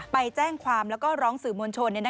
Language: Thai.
ไปแจ้งความแล้วก็ร้องสื่อมวลชน